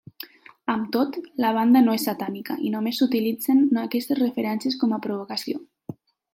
Amb tot, la banda no és satànica, i només utilitzen aquestes referències com a provocació.